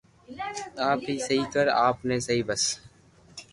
آپ اي سھي ڪر آپ ني سھي بس